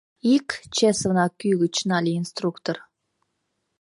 Ик!.. — чеслынак ӱгыч нале инструктор.